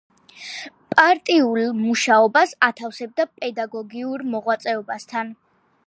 პარტიულ მუშაობას ათავსებდა პედაგოგიურ მოღვაწეობასთან.